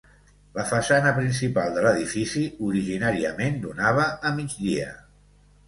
La façana principal de l'edifici originàriament donava a migdia.